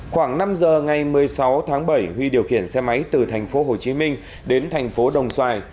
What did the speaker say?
khoảng năm giờ ngày một mươi sáu tháng bảy huy điều khiển xe máy từ thành phố hồ chí minh đến thành phố đồng xoài